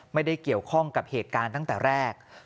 ไม่ได้เกี่ยวข้องกับเหตุการณ์ตั้งแต่แรก